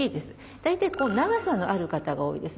大体長さのある方が多いですね。